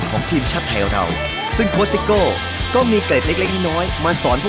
ของเราถูกฝึกมาให้คืนลับ